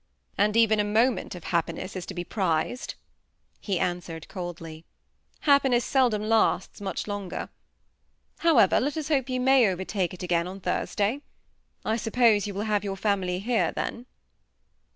" And even a moment of happiness is to be prized," he answered, coldly; "happiness seldom lasts much THE SEMI ATTACHED COUPLE. 86 longer* However, let us hope you may overtake h again on Thursday. I suppose you will have your &mily here then."